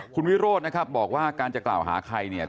คุณวิโรธครับบอกว่าการจะกล่าวหาใคร